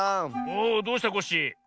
おおどうしたコッシー？